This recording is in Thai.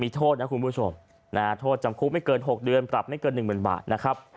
โทษนะคุณผู้ชมโทษจำคุกไม่เกิน๖เดือนปรับไม่เกิน๑๐๐๐บาทนะครับ